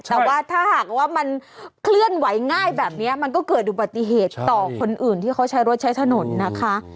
แต่ว่าถ้าหากว่ามันเคลื่อนไหวง่ายแบบนี้มันก็เกิดอุบัติเหตุต่อคนอื่นที่เขาใช้รถใช้ถนนนะคะ